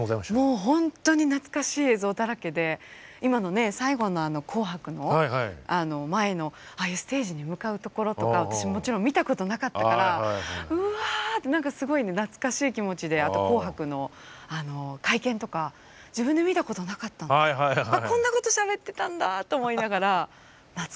もうほんとに懐かしい映像だらけで今のね最後の「紅白」の前のああいうステージに向かうところとか私もちろん見たことなかったからうわあ何かすごい懐かしい気持ちであと「紅白」の会見とか自分で見たことなかったのでこんなことしゃべってたんだぁと思いながら懐かしかったです。